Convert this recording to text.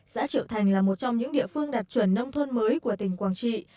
xã triệu thành là một trong những địa phương đạt chuẩn nông thôn mới của tỉnh quảng trị